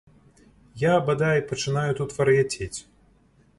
Я, бадай, пачынаю тут вар'яцець.